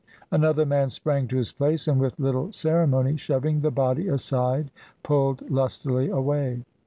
Another man sprang to his place and with little ceremony, shoving the body aside, pulled lustily away.